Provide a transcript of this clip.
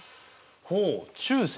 ほう中線？